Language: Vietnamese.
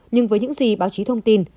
nhưng với những gì báo chí thông tin